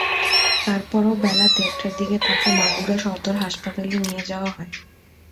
তারপরও বেলা দেড়টার দিকে তাঁকে মাগুরা সদর হাসপাতালে নিয়ে যাওয়া হয়।